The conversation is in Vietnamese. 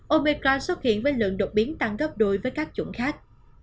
opecron xuất hiện với lượng đột biến tăng gấp đôi với các chủng khác